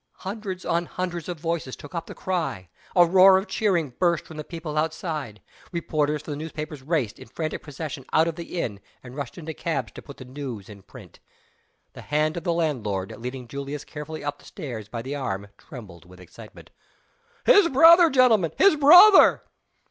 Hundreds on hundreds of voices took up the cry. A roar of cheering burst from the people outside. Reporters for the newspapers raced, in frantic procession, out of the inn, and rushed into cabs to put the news in print. The hand of the landlord, leading Julius carefully up stairs by the arm, trembled with excitement. "His brother, gentlemen! his brother!"